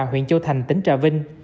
huyện châu thành tỉnh trà vinh